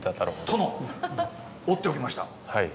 「殿！折っておきました」。